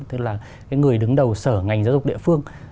tức là cái người đứng đầu sở ngành giáo dục địa phương